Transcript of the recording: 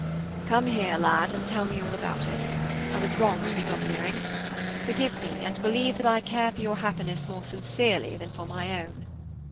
"Come here, lad, and tell me all about it. I was wrong to be domineering. Forgive me, and believe that I care for your happiness more sincerely than for my own."